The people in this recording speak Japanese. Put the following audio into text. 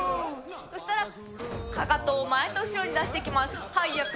そしたら、かかとを前と後ろに出していきます。